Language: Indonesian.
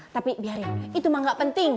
tapi biarin itu mah gak penting